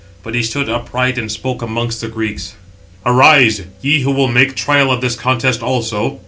But he stood upright, and spoke amongst the Greeks: "Arise, ye who will make trial of this contest also."